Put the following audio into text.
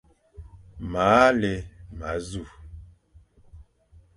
Mâa lé ma zu.